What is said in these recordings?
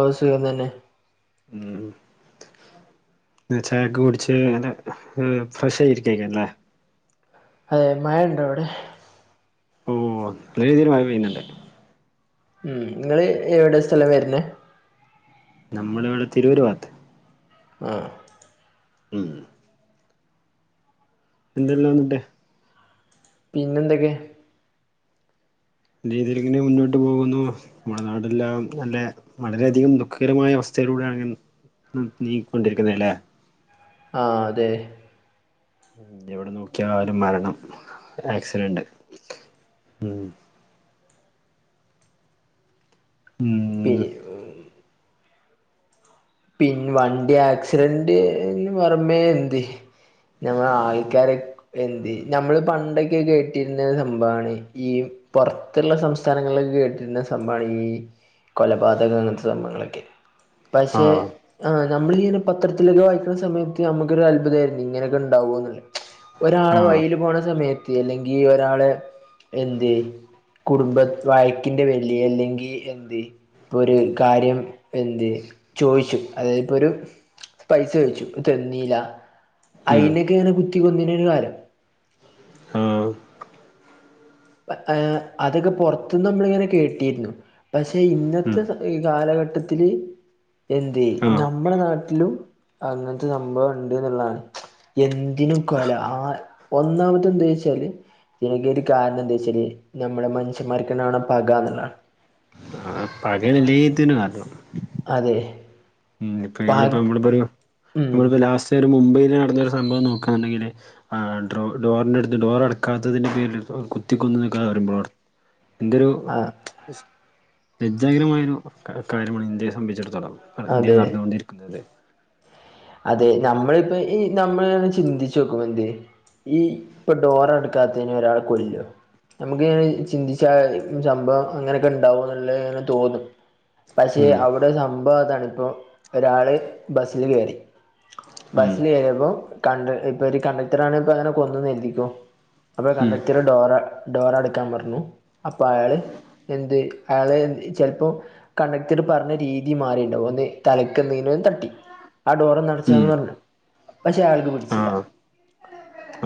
ഓഹ് സുഖം തന്നെ ഉം ത് ചായകുടിച്ച്ങ്ങനെ ഫ്രഷ് ആയിരിക്കരിക്കല്ലേ? അതെ മഴ ഉണ്ട അവിടെ ഓ [unintelligible] മഴ പെയ്യനുണ്ട് ഉം ങ്ങള് എവിടെ സ്ഥലം വരുന്നെ നമ്മള ഇവിടെ തിരൂർ ഭഗത്ത് ആഹ് ഉം എന്തെല്ലാണ്ട് പിന്നെന്തൊക്കെ രീതിയിലിങ്ങനെ മുന്നോട്ട് പോകുന്നു നമ്മുടെ നാടെല്ലാം നല്ല വളരെയധികം ദുഃഖകരമായ അവസ്ഥയിലൂടെയാണെങ്ക നീ കൊണ്ടിരിക്കുന്ന ല്ലേ ആഹ് അതെ ഉം എവിടെ നോക്കിയാലും മരണം ആക്സിഡന്റ് ഉം ഉം പി പിന്നെ വണ്ടി ആക്സിഡന്റ്ന്ന് പുറമേ എന്ത്‌ ഞമ്മൾ ആൾക്കാരെ എന്ത് ഞമ്മള് പണ്ടൊക്കെ കേട്ടിരുന്ന സംഭവമാണ് ഈ പുറത്തുള്ള സംസ്ഥാനങ്ങളിലക്കെ കേട്ടിരുന്ന സംഭവമാണ് ഈ കൊലപാതകം അങ്ങനത്തെ സംഭങ്ങളൊക്കെ പക്ഷേ ആഹ് ആ് നമ്മളിങ്ങനെ പത്രത്തിലൊക്കെ വായിക്കുന്ന സമയത്ത് നമുക്കൊരു അത്ഭുതമായിരുന്നു ഇങ്ങനൊക്കെ ഉണ്ടാവോ എന്നുള്ളേ ഒരാളെ ആഹ് വഴിയില് പോണ സമയത്ത് അല്ലെങ്കി ഒരാളെ എന്ത് കുടുംബ വയക്കിന്റെ പേരിൽ അല്ലെങ്കിൽ എന്ത് ഇപ്പോൾ ഒരു കാര്യം എന്ത് ചോയ്ച്ചു അതായത്പ്പോ ഒരു പൈസചോദിച്ചു അപ്പം തെന്നില ഉം അതിനൊക്കെ അങ്ങനെ കുത്തി കൊന്നുതിനൊരു കാലം ആഹ് അതൊക്കെ പുറത്തുന്ന് നമ്മളിങ്ങനെ കേട്ടിയിരുന്നു പക്ഷെ ഉം ഇന്നത്തെ ഈ കാലഘട്ടത്തില് എന്ത് ആഹ് നമ്മുടെ നാട്ടിലും അങ്ങനത്തെ സംഭവം ഉണ്ട് എന്നുള്ളതാണ് എന്തിനും കൊല. ആ ഒന്നാമത്തെ എന്താ വെച്ചാല് നിനക്ക് ഒരു കാരണം എന്ത് വെച്ചാല് നമ്മുടെ മനുഷ്യമാർക്ക് പക എന്നുള്ളതാണ് പക എല്ലേതിനും കാരണം അതെ ഇ ഇപ്പ പ ഇവിടിപ്പോ നമ്മളിപ്പോ ഒരു ഉം നമ്മളിപ്പോ ലാസ്റ്റ് ഒരു മുംബൈൽ നടന്നൊരു സംഭവം നോക്കാണെന്നുണ്ടെങ്കില് ആഹ് ഡോർ ഡോറിനടുത്ത് ഡോർ അടക്കാത്തതിന്റെ പേരിൽ ഇപ്പം കുത്തി കൊന്ന് നിൽക്കാതെ വരുമ്പോൾ എന്റെയൊരു ആ ലജ്ജാകരമായൊരു കാര്യമാണ് ഇന്ത്യയെ സംബന്ധിച്ചിടത്തോളം ഇന്ത്യ അതെ നടന്നുകൊണ്ടിരിക്കുന്നത് അതെ നമ്മളിപ്പോ ഈ നമ്മള് ചിന്തിച്ചു നോക്കും എന്ത് ഈ ഇപ്പൊ ഡോർ അടക്കാത്തതിന് ഒരാൾ കൊല്ലുവാ നമുക്ക് ഇങ്ങനെ ചിന്തിച്ച സംഭവം അങ്ങനെയൊക്കെ ഉണ്ടാവോ എന്നുള്ള ഇങ്ങനെ തോന്നും പക്ഷെ ഉം അവിടെ സംഭവതാണ് ഇപ്പോ ഒരാള് ബസില് കയറി ഉം ബസ്സിൽ കേറണു കണ്ട ഇപ്പൊ ഒരു കണ്ടക്ടർ ആണ ഇപ്പ അങ്ങനെ കൊന്നുന്ന് കരുതിക്കോ അപ്പൊ ഉം കണ്ടക്ടർ ഡോറ ഡോർ അടക്കാൻ പറഞ്ഞു. അപ്പൊ അയാള് എന്ത് അയാളെ ചിലപ്പോ കണ്ടക്ടർ പറഞ്ഞ രീതി മാറിണ്ടാവും ഒന്ന് തലക്കുന്നീന്ന് തട്ടി ഡോർ ഒന്ന് ഉം അടച്ചെന്ന് പറഞ്ഞു. പക്ഷെ അയാൾക്ക് പിടിച്ചില്ല ആഹ്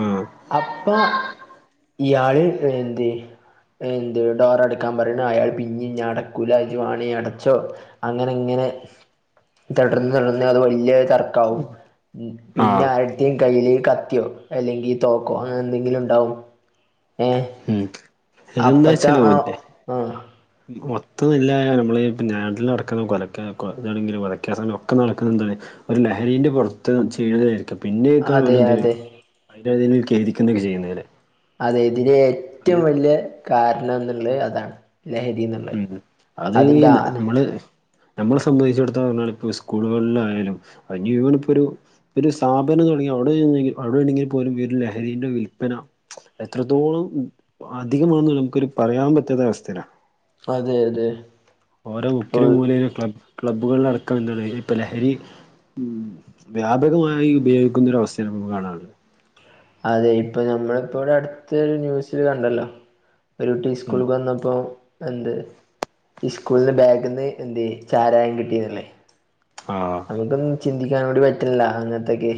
ആഹ് അപ്പ ഇയാൾ എന്തെ എന്ത് ഡോർ അടക്കാൻ പറയണ അയാൾ പിന്നെ ഞാൻ അടക്കൂല ഇജ്ജ് വേണേ അടച്ചോ അങ്ങനെ ഇങ്ങനെ തടർന്ന് തടർന്ന അത് വലിയൊരു തർക്കാവും പിന്നെ ആഹ് ആരുടെത്തേയും കയ്യില് കത്തിയോ അല്ലെങ്കിൽ തോക്കോ അങ്ങനെ എന്തെങ്കിലും ഉണ്ടാവും ഏഹ് ഉം ഇതെന്താച്ചാല് [unintelligible] ആ ഉം [unintelligible] മൊത്തനില്ലായ നമ്മള് പിന്നെ നാട്ടില് നടക്ക്ന്ന കൊലക്കെ കൊ ഇതാണെങ്കിലും [unintelligible] സമയം ഒക്കെ നടക്ക്ന്നെ എന്താണ് ഒരു ലഹരീന്റെ പുറത്ത് ചെയ്യുന്നതായിരിക്കും പിന്നെ അതെ അതെ [unintelligible] ചെയ്യുന്നോര് അതെ ഇതിന്റെ ഏറ്റവും വലിയ കാരണം എന്നുള്ളത് അതാണ് ലഹരി എന്നുള്ള ഉം അതീ നമ്മള് നമ്മളെ സംബന്ധിച്ചിടത്തോളം പറഞ്ഞാൽ ഇപ്പോ സ്കൂളുകളിലായാലും അതിപ്പോ ഒരു ഒരു സ്ഥാപനം തുടങ്ങി അവിടെ അവിടെണ്ടെങ്കിൽ പോലും ഈ ഒരു ലഹരീന്റെ വിൽപന എത്രത്തോളം അധികമാണ് നമുക്കൊരു പറയാൻ പറ്റാത്ത അവസ്ഥയിലാണ്. അതെ അതെ ഓരോ മുക്കിലും മൂലയിലും ക്ലബ് ക്ലബ്ബുകൾ അടക്കം എന്താണ് ഇപ്പം ലഹരി ഉം വ്യാപകമായി ഉപയോഗിക്കുന്നൊരവസ്ഥയാണ് നമുക്ക് കാണാനുള്ളത്. അതെ ഇപ്പൊ നമ്മളിപ്പോൾ അടുത്ത ഒരു ന്യൂസിൽ കണ്ടല്ലോ. ഒരു കുട്ടി സ്കൂൾ ഉം വന്നപ്പോ എന്ത് ഈ സ്കൂൾന്റെ ബാഗ് ന്ന് എന്ത് ചാരായം കിട്ടിയതല്ലേ ആഹ് നമുക്കൊന്നും ചിന്തിക്കാൻ കൂടി പറ്റില്ല അങ്ങൻത്തെക്കെ.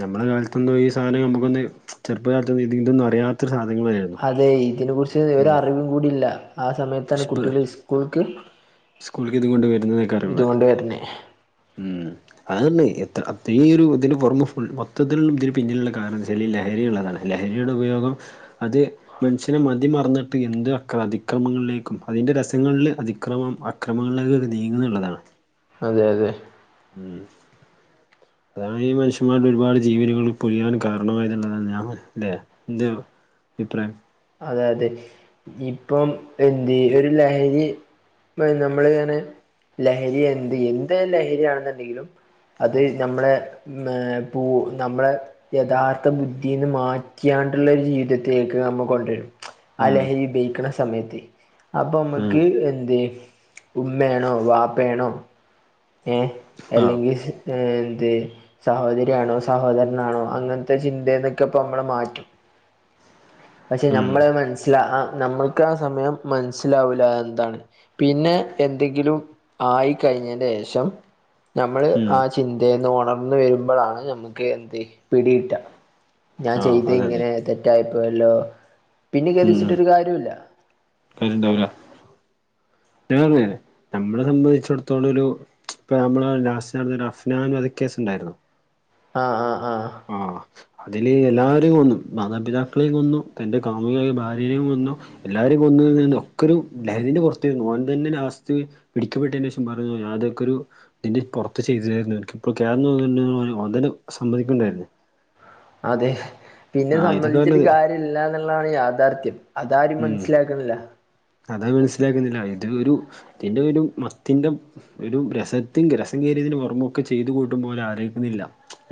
നമ്മളുടെ കാലത്തൊന്നും ഈ സാധനം നമുക്കൊന്ന് ചെറുപ്പാലത്ത് ഇതൊണ്ടെന്നു അറിയാത്തൊരു സാധനങ്ങളായിരുന്നു. അതെ ഇതിനെ കുറിച്ച് ഉം ഒരറിവും കൂടി ഇല്ല. ആ സമയത്താണ് പക്ഷെ ഇപ്പ കുട്ടിയള് ഇസ്കൂൾക്ക് സ്കൂളിലേക്ക് ഇതും കൊണ്ട് വരുന്നതൊക്കെ അറിയുമ്പോ ഇതുകൊണ്ട് വര്ണെ. ഉം. അതന്നെ എത്ര ഈ ഒരു ഇതിന്റെ പുറമേ ഫുൾ മൊത്തത്തിലുള്ള ഇതിന് പിന്നിലുള്ള കാരണം എന്നുവെച്ചാൽ ഈ ലഹരി ഉള്ളതാണ്. ലഹരിയുടെ ഉപയോഗം അത് മനുഷ്യൻ മതി മറന്നിട്ട് എന്ത് അക്ര അതിക്രമങ്ങളിലേക്കും അതിന്റെ രസങ്ങൾല് അതിക്രമം അക്രമങ്ങളിലേക്ക് നീങ്ങുന്നെള്ളതാണ്. അതെ അതെ. ഉം അതാണ് ഈ മനുഷ്യന്മാരുടെ ഒരുപാട് ജീവനുകൾ പൊലിയാൻ കാരണമായത് എന്നാണ് ഞാൻ മൻ ലെ ലെ ന്തേ അഭിപ്രായം അതെ അതെ ഇപ്പം എന്ത് ഒരു ലഹരി നമ്മള് ഇങ്ങനെ ലഹരി എന്ത് എന്ത് ലഹരിയാണെന്നുണ്ടെങ്കിലും അത് നമ്മളെ ഉം പൂ നമ്മളെ യഥാർത്ഥ ബുദ്ധീന്ന് മാറ്റിയാണ്ടുള്ള ഒരു ജീവിതത്തിലേക്ക് നമ്മ കൊ ആ ഉം ലഹരി ഉപയോഗിക്ക്ണ സമയത്ത് അപ്പൊ ഉം നമ്മക്ക് എന്തേ ഉമ്മെണോ വാപ്പെണോ ഏ ആഹ് അല്ലെങ്കിൽ എ എന്ത് സഹോദരിയാണോ സഹോദരനാണോ അങ്ങൻത്തെ ചിന്തെന്നൊക്കെ ഇപ്പോ നമ്മളെ മാറ്റും പക്ഷെ ഉം നമ്മള മനസ്സില ആ നമ്മൾക്ക് ആ സമയം മനസ്സിലാവൂല എന്താണ് പിന്നെ എന്തെങ്കിലും ആയി കഴിഞ്ഞെന്റെ ശേഷം നമ്മള് ഉം ആ ചിന്തേന്ന് ഒണർന്നു വരുമ്പളാണ് നമ്മക്ക് എന്ത് പിടികിട്ട. ഞാൻ ആഹ് ചെയ്ത് അതെ അതെ ഇങ്ങനെ തെറ്റായിപ്പോയല്ലോ. പിന്നെ ഉം ഉം കേദിച്ചിട്ടൊരു കാര്യല്ല. കാര്യണ്ടാവൂല [unintelligible] നമ്മള് ത സംബന്ധിച്ചിടത്തോളം ഒരു ഇപ്പ നമ്മള ലാസ്റ്റ് നടന്നൊരു അഫ്നാൻ വധക്കേസ് ഉണ്ടായിരുന്നു. ആഹ് ആഹ് ആഹ് ആ ആ അതില് എല്ലാവരെയും കൊന്നു മാതാപിതാക്കളെയും കൊന്നു തന്റെ കാമുകിയായ ഭാര്യയെയും കൊന്നു. എല്ലാവരെയും കൊന്ന് ഒക്കെ ഒരു ലഹരിന്റെ പൊർത്തെര്ന്നു. ഓൻ തന്നെ ലാസ്റ്റ് പിടിക്കപ്പെട്ടതിനു ശേഷം പറഞ്ഞു ഞാൻ അതൊക്കൊരു ഇതിന്റെ പുറത്ത് ചെയ്തരായിരുന്നു എനിക്കിപ്പോ [unintelligible] സമ്മതിക്കുന്നുണ്ടായിരുന്നു അതെ പിന്നെ ആഹ് ഇതൊക്കെ സമ്മതിച്ചിട്ട് പറഞ്ഞത് കാര്യല്ല ന്ന്ള്ളതാണ് യാഥാർഥ്യം അതാരും ഉം മനസ്സിലാക്കുന്നില്ല അതാ മനസ്സിലാക്കുന്നില്ല അയിന്റെ ഒരു ഇതിന്റെ ഒരു മത്തിന്റെ ഒരു രസത്തിന്റെ രസം കേറിയതിന്റെ പൊറമ്മൊക്കെ ചെയ്ത് കൂട്ടും പോലെ ആലോയ്ക്കുന്നില്ല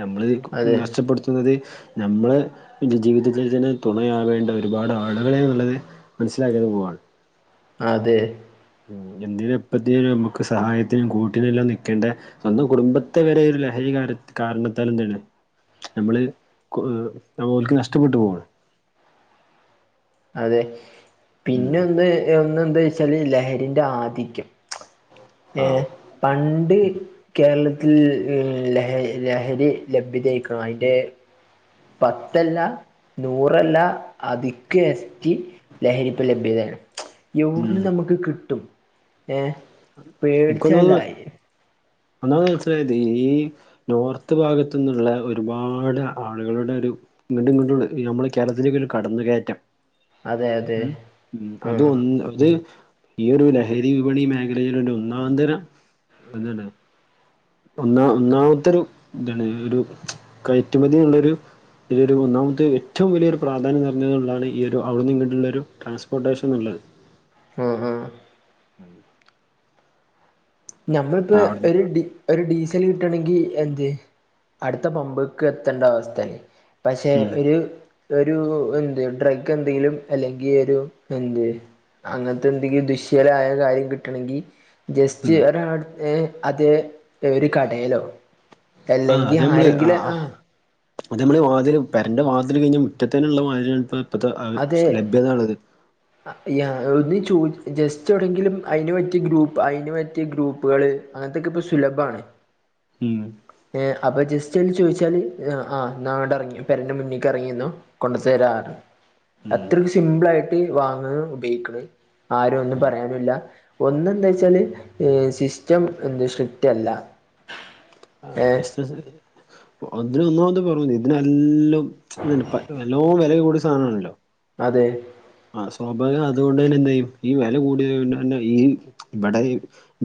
നമ്മള് അതെ നഷ്ടപ്പെടുത്തുന്നതി നമ്മള ജീ ജീവിതത്തിൽ തന്നേ തുണയാവേണ്ട ഒരുപാട് ആളുകളെന്നുള്ളത് മനസ്സിലാക്കിയത് പോവാണ് അതെ എന്തിനും എപ്പത്തിനും നമ്മക്ക് സഹായത്തിനും കൂട്ടിനെല്ലാം നിക്കേണ്ടേ സ്വന്തം കുടുംബത്തെ വരെ ഒരു ലഹരി കാര കാരണത്താല് എന്തേനെ നമ്മള് കൊ ഓൽക്ക് നഷ്ടപ്പെട്ടു പോണ്‌ അതെ പിന്നെ ഉം ഒന്ന് ഒന്ന് എന്താ വച്ചാല് ലഹരിന്റെ ആധിക്യം ഏഹ് ആഹ് പണ്ട് കേരള ൽ ലഹ ലഹരി ലഭ്യതയ്ക്കണ്‌ അയിൻ്റെ പത്തല്ല നൂറല്ല അധിക് എസ്റ്റി ലഹരിപ്പം ലഭ്യതയാണ് യൊവിടുന്ന് ഉം നമ്മക്ക് കിട്ടും ഏ ഇൻകൊന്നു പേടിച്ചല്ല ഒന്നമത് മനസ്സിലായത് ഈ നോർത്ത് ഭാഗത്തുന്നുള്ള ഒരുപാട് ആളുകളുടെ ഒരു ഇങ്ങട്ടും ഇങ്ങട്ടുള്ള നമ്മള് കേരളത്തിലേക്കുള്ള കടന്നുകയറ്റം അതെ അതെ ഉം ഉഉം ആ അത് ഒന്ന് അത് ഈ ഒരു ലഹരി വിപണി മേ ഇടയിലിണ്ട് ഒന്നാന്തര [unintelligible] ഒന്ന ഒന്നാമത്തെൊരു ഇതാണ് ഒരു കയറ്റുമതി ഉള്ളരു ഇതൊരു ഒന്നാമത്തെ ഏറ്റവും വലിയൊരു പ്രാധാന്യം നിറഞ്ഞത് കൊണ്ടാണ് ഈ ഒരു അവിടെ ന്ന്ങ്ങട്ടുള്ളൊരു ട്രാൻസ്പോർട്ടേഷൻ ന്നുള്ളത് ഉം ഉം അം ഞമ്മളിപ്പോ അവിടുന്ന് ഒരു ഡി ഒരു ഡീസല് കിട്ടണങ്കി എന്ത് അടുത്ത പമ്പ്ക്ക് എത്തണ്ട അവസ്ഥയിണ് പക്ഷെ ഉം ഒരു ഒരു എന്ത് ഡ്രഗ് എന്തെങ്കിലും അല്ലെങ്കി ഒരു എന്ത് അങ്ങനതന്തെങ്കിലും ദിശ്യാരായ കാര്യം കിട്ടണെങ്കിൽ ജെ സ്റ്റ് ഉം ഒരാടു ഏ അതേ ഒരു കടേലോ ആ അല്ലെങ്കി അത് നമ്മള് ആരെങ്കിലും ആ അത് നമ്മള് വാതിലും പെരന്റെ വാതില് കഴിഞ്ഞ് മുറ്റത്ത നുള്ള വാതിലാണ് പ്പ ഇപ്പതേ അഹ് ലഭ്യതാണത് ആ യാ ഒന്ന് ചോയ് ജസ്റ്റ് എവിടെങ്കിലും അയിനു പറ്റിയ ഗ്രൂപ്പ് അയിനു പറ്റിയ ഗ്രൂപ്പുകള് അങ്ങട്ട്ക്ക്പ്പം സുലഭാണ് ഉം ഏ അപ്പൊ ജസ്റ്റ് ഒന്ന് ചോയ്ച്ചാല് [unintelligible] ആ ഇന്നട്ട്റങ്ങി പെരൻ ന്റെ മുന്ന്ക്ക് ഇറങ്ങിന്നോ കൊണ്ടു തരാറ് ഉം അത്രയും സിമ്പിൾ ആയിട്ട് വാങ്ങാനും ഉപയോഗിണ്‌ ആരും ഒന്നും ഉം പറയാനുല്ല ഒന്ന് എന്താ വെച്ചാല് സിസ്റ്റം എന്ത് സ്ട്രിക്റ്റ് അല്ല ആ ഏ എസ്സ എസ്സ് [unintelligible] ഒന്നാമത് കുറവന്നീനി ഇതിനല്ലോം ഇതി പ നല്ലോണം വെലയൊക്കെ കൂടി സാനണല്ലോ അതെ ആ സ്വാഭാവികം അതുകൊണ്ട് തന്നെ എന്തയ്യും ഈ വെല കൂടിയത് [unintelligible] ഈ ഇവടെ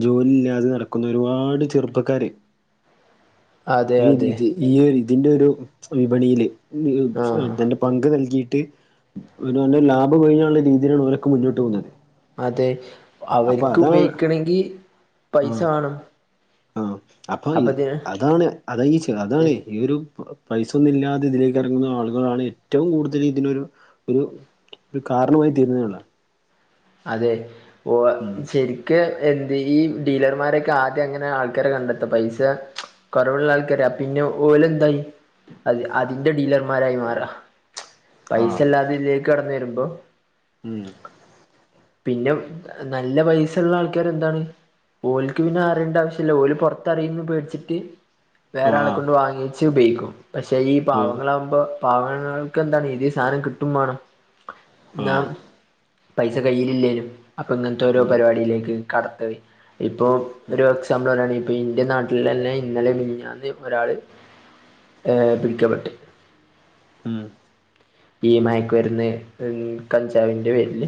ജോലില്ലാതെ നടക്കുന്ന ഒരുപാട് ചെറുപ്പക്കാര് അതെ മീ ജീ അതെ ജീ ഈയൊര് ഇതിന്റെ ഒരു വിപണിയില് ആ തന്റെ പങ്ക് നൽകിയിട്ട് ഓരോന്റെ ലാഭം കൊഴിഞോണ്ട രീതിയിലുള്ള ഓരോക്കെ മുന്ന്ട്ട് പോകുന്നത് അതെ അപ്പൊ അവര്ക്ക് അതാണ് ഉപയോഗിക്കണെങ്കി പൈസ ആഹ് വാണം ആഹ് അപ്പൊ അതാണ് അത ഈച്ച് അതാണ് അതെ ഈ ഒരു പൈസ ഒന്നും ഇല്ലാതെ ഇതിലേക്ക് എറങ്ങുന്ന ആളുകളാണ് ഏറ്റവും കൂടുതല് ഇതിനൊരു ഒരു ഇത് കാരണമായി തീരുന്നതിനുള്ള അതെ ഓ ആഹ് ഉം ശരി ക്കേ എന്ത് ഈ ഡീലർമാരൊക്കെ ആദ്യം എങ്ങനെ ആൾക്കാരെ കണ്ടെത്ത പൈസ? കൊറവുള്ള ആൾക്കാര് പിന്നെ ഓല് എന്തായി അത് അതിന്റെ ഡീലർമാരായി മാറാ പൈസ ആഹ് അല്ലാതെ ഇതിലേക്ക് കടന്ന് വരുമ്പം ഉം പിന്നെ അ നല്ല പൈസള്ള ആൾക്കാര് എന്താണ്? ഓല്ക്ക് പിന്നെ അറിയേണ്ട ആവശ്യല്ല ഓല് പൊറത്തറിയുന്ന് പേടിച്ചിട്ട് വേറെ ആളെ ആഹ് കൊണ്ട് വാങ്ങിച്ച് ഉപയോഗിക്കും പക്ഷെ ഈ ഉം പാവങ്ങളാകുമ്പോ പാവങ്ങൾക്ക് എന്താണ് ഇതേ സാധനം കിട്ടും വേണം എന്നാ ആഹ് ച്ച കൈയ്യിലില്ലേലും അപ്പൊ ഇങ്ങനത്തെ ഓരോ ഉം പരിപാടിയിലേക്ക് കടത്ത വെയ് ഇപ്പോ ഒരു എക്സാമ്പിള് പറയാണെങ്കി പ്പ ഇൻ്റെ നാട്ടില് തന്നെ ഇന്നലെ മിനിഞ്ഞാന്ന് ഒരാള് ഏഹ് പിടിക്കപ്പെട്ട് ഉം ഈ മയക്ക് മരുന്ന് കഞ്ചാവിൻ്റെ പേര്ല്.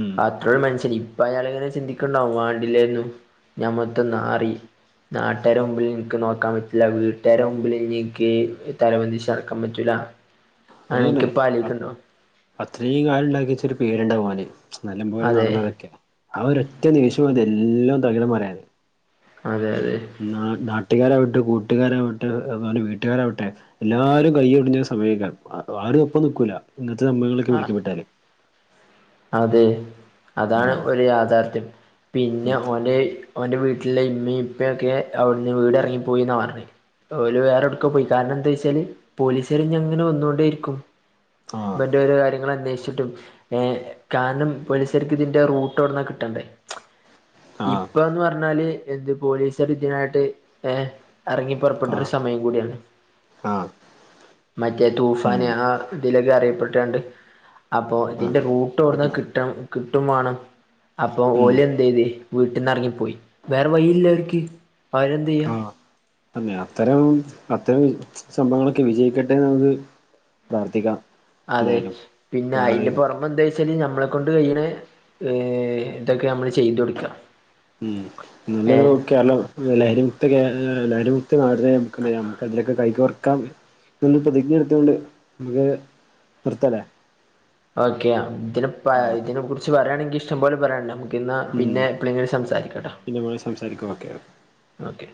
ഉം അത്ര മനുഷ്യന് ഇപ്പൊ അയാളിങ്ങനെ ചിന്തിക്ക്ണ്ടാവും വാണ്ടില്ലേന്നു ഞാൻ മൊത്തം നാറി. നാട്ടാരെ മുമ്പിൽ ഇൻക്ക് നോക്കാ പറ്റൂല്ല വീട്ടാരെ മുമ്പില് ഇഞ്ഞ് ഇൻക്ക് തല പൊന്തിച്ച് നടക്കാൻപറ്റൂല. അതെന്നെ അ അത്രയും കാലം ഇണ്ടാക്കിച്ചൊരു പേര്ണ്ടാവും ഓന്. നല്ല പോലെ അതെ നടന്നതൊക്കെല്ലേ ആ ഒരൊറ്റ ദേശ്യം മതി എല്ലാം തകിടം മറിയാന് അതെ അതെ ന്നാ നാട്ടുകാരാവട്ടെ കൂട്ടുകാരാവട്ടെ അതുപോലെ വീട്ടുകാരാവട്ടെ എല്ലാരും കൈ ഒടിഞ്ഞ സമയൊക്കെയാണ് ആഹ് ആരും ഒപ്പം നിക്കൂല്ല ഇങ്ങനത്തെ സംഭവങ്ങളിലൊക്കെ പിടിക്കപ്പെട്ടാല് അതേ അതാണ് ഉം ഒരു യാഥാർഥ്യം പിന്നെ ഉം ഓൻ്റെ ഓൻ്റെ വീട്ടിലെ ഇമ്മയും ഇപ്പൊയൊക്കെ അവിടുന്ന് വീട് എറങ്ങി പോയിന്നാ പറഞ്ഞേ ഓല് വേറെ എവിടെക്കോ പോയി കാരണം എന്താ വെച്ചാല് പോലീസുകാര് ഇനി അങ്ങനെ വന്നൊണ്ടേയിരിക്കും ആഹ് മറ്റോരെ കാര്യങ്ങൾ അന്വേഷിച്ചിട്ടും ഏ. കാനം പോലിസ്കാർക്ക് ഇതിന്റെ റൂട്ട് എവിടന്നാ കിട്ടണ്ടേ ആഹ് ഇപ്പന്ന് പറഞ്ഞാല് എന്ത് പോലീസാര് ഇതിനായിട്ട് ഏ എറങ്ങി പൊർപ്പെട്ടൊരു ആഹ് സമയം കൂടിയാണ്. ആഹ് മറ്റേ ഉം തൂഫാന് ആ ഇതിലൊക്കെ അറിയപ്പെട്ടാണ്ട് അപ്പൊ ആഹ് ഇതിന്റെ റൂ ട്ടവിടന്നാ അപ്പൊ കിട്ടാ കിട്ടും വേണം അപ്പൊ ഉം ഓല് എന്തെയ്ത് വീട്ടിന്നെർ ങ്ങി പോയ് വേറെ വഴിയില്ലവർക്ക് അവരെന്ത് ചെയ്യാ? ആഹ് അന്നെ അത്തരം അത്തരം സംഭവങ്ങളൊക്കെ വിജയിക്കട്ടെന്ന് ള്ളത് പ്രാർത്ഥിക്കാം. അതെ എന്തായാലും പിന്നെ അയിന്റെ അപ്പൊ പുറ പ്പ എന്തേച്ചാല് നമ്മളെ കൊണ്ട് കയ്യ്ണെ ഏ ഇതൊക്കെ നമ്മള് ചെയ്തൊട്ക്ക. മ് നല്ലൊരു കേരള ലഹരിമുക്ത കേ ലഹരി മുക്ത ഈ നാട്നെനമുകെന്തെയ്യാം നമ്ക്ക് അതിലൊക്കെ കൈ കോർക്കാം. ഇപ്പൊ ഇന്ന് പ്രതിജ്ഞ എടുത്തൊണ്ട് നമുക്ക് നിർത്താല്ലേ ഓക്കെ യാം ഇതിന് ഓക്കെ ഇതിനെ കുറിച്ച് പറയാണെങ്കി ഇഷ്ടം പോലെ പറയാനുണ്ട് ന എന്നാ ഉം പിന്നെ എപ്പളെങ്കിലും സംസാരിക്കാട്ടോ പിന്നെ പോയി സംസാരിക്കാം ഓക്കെ ഓക്കെ